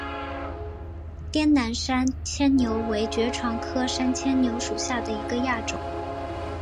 滇南山牵牛为爵床科山牵牛属下的一个亚种。